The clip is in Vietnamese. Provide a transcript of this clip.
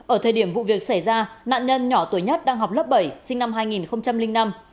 ở thời điểm vụ việc xảy ra nạn nhân nhỏ tuổi nhất đang học lớp bảy sinh năm hai nghìn năm